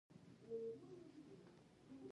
رسوب د افغانستان د چاپیریال د مدیریت لپاره مهم دي.